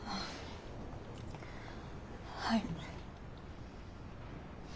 はい。